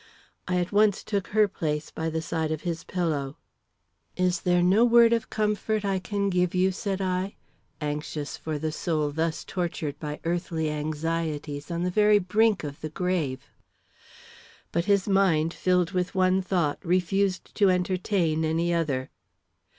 I at once took her place by the side of his pillow. "Is there no word of comfort I can give you?" said I, anxious for the soul thus tortured by earthly anxieties on the very brink of the grave. But his mind, filled with one thought, refused to entertain any other.